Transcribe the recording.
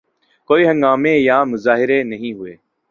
کوئی ہنگامے یا مظاہرے نہیں ہوئے۔